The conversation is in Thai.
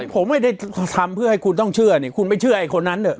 ผมไม่ได้ทำเพื่อให้คุณต้องเชื่อเนี่ยคุณไม่เชื่อไอ้คนนั้นเนี่ย